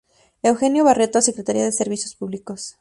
Eugenio Barreto, Secretaría de Servicios Públicos.